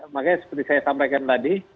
makanya seperti saya sampaikan tadi